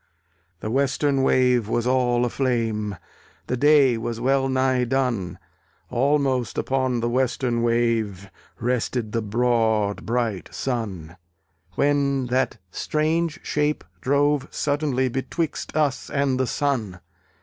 The western wave was all a flame; The day was well nigh done; Almost upon the western wave Rested the broad bright Sun; When that strange shape drove suddenly Betwixt us and the Sun.